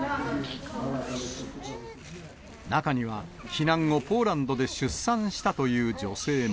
中には避難後、ポーランドで出産したという女性も。